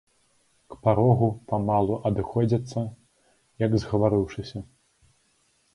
К парогу памалу адыходзяцца, як згаварыўшыся.